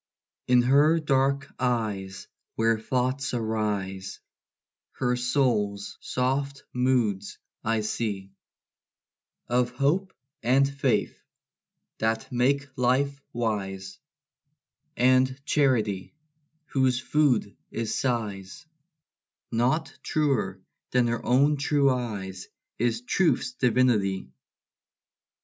In her dark eyes, where thoughts arise, Her soul's soft moods I see: Of hope and faith, that make life wise; And charity, whose food is sighs Not truer than her own true eyes Is truth's divinity.